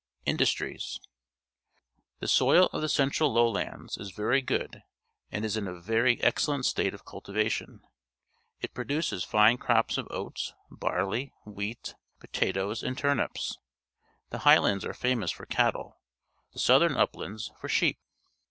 Industries. — The soil of the central Low lands is very good and is in a very excellent state of cultivation. It produces fine crops of oats, barley, wheat, potatoes, and turnips. The Highlands are famous for cattle; the southern uplands, for sheep.